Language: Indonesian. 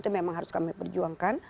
itu memang harus kami perjuangkan